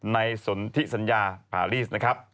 ในสนทิสัญญาพารีส